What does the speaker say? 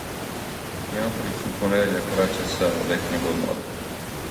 Јанковић се у понедељак враћа са летњег одмора.